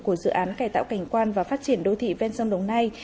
của dự án cải tạo cảnh quan và phát triển đô thị ven sông đồng nai